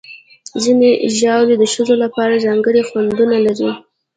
ځینې ژاولې د ښځو لپاره ځانګړي خوندونه لري.